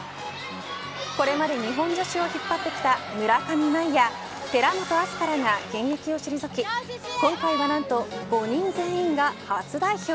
これまで日本女子を引っ張ってきた村上茉愛や寺本明日香らが現役を退き今回は何と５人全員が初代表。